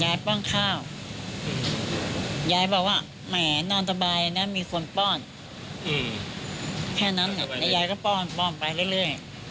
ยายป้องข้าวยายบอกว่าแหมนอนตะบายเนี่ยมีคนป้อนแค่นั้นเนี่ยยายก็ป้องป้องไปเรื่อย